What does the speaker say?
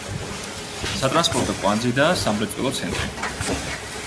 სატრანსპორტო კვანძი და სამრეწველო ცენტრი.